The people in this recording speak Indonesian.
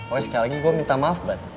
oleh sekali lagi gue minta maaf banget